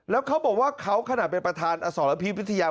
แล้วเขาบอกว่าเขาขนาดเป็นประธานอสรพิษวิทยา